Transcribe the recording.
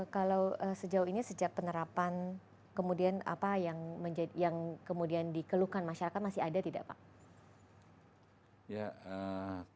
kalau sejauh ini sejak penerapan kemudian apa yang kemudian dikeluhkan masyarakat masih ada tidak pak